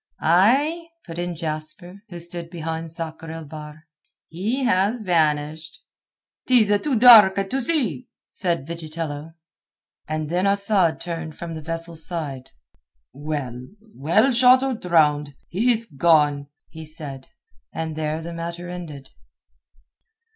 "Ay," put in Jasper, who stood behind Sakr el Bahr. "He has vanished." "'Tis too dark to see," said Vigitello. And then Asad turned from the vessel's side. "Well, well—shot or drowned, he's gone," he said, and there the matter ended.